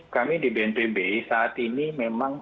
kami di bnpb saat ini memang